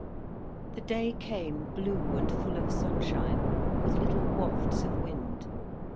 The day came blue and full of sunshine, with little wafts of wind.